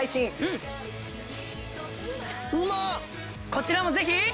こちらもぜひ。